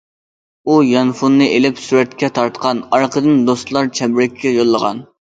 ئۇ يانفونىنى ئېلىپ سۈرەتكە تارتقان، ئارقىدىن دوستلار چەمبىرىكىگە يوللىغان.